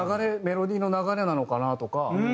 メロディーの流れなのかな？とか。